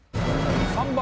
３番。